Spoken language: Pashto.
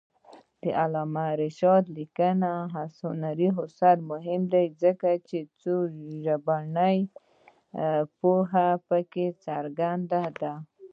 د علامه رشاد لیکنی هنر مهم دی ځکه چې څوژبني پوهه پکې څرګنده ده.